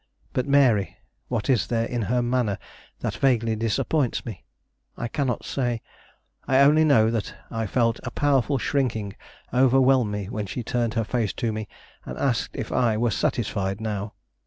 But Mary? What is there in her manner that vaguely disappoints me? I cannot say. I only know that I felt a powerful shrinking overwhelm me when she turned her face to me and asked if I were satisfied now.